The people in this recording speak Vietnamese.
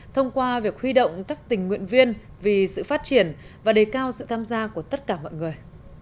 thông qua việc huy động các tình nguyện viên vì sự phát triển và đề cao sự tham gia của tất cả mọi người